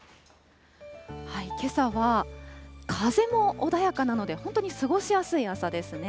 けさは風も穏やかなので、本当に過ごしやすい朝ですね。